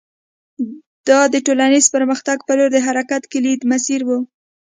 دا د ټولنیز پرمختګ په لور د حرکت کلیدي مسیر و